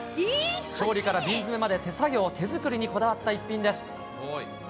調理から瓶詰まで手作業、手作りにこだわった一品です。